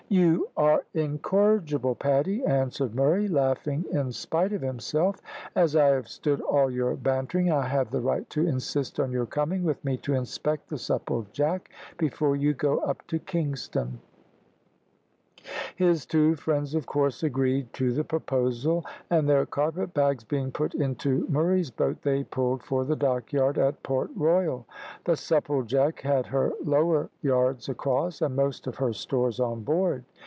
"You are incorrigible, Paddy," answered Murray, laughing in spite of himself. "As I have stood all your bantering, I have the right to insist on your coming with me to inspect the Supplejack before you go up to Kingston." His two friends of course agreed to the proposal, and their carpet bags being put into Murray's boat they pulled for the Dockyard at Port Royal. The Supplejack had her lower yards across, and most of her stores on board.